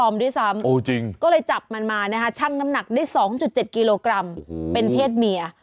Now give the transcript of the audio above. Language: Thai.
มาชั่งน้ำหนักได้๒๗กิโลกรัมเป็นเพศเมีย